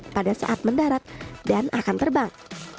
pada saat mendarat dan akan terbang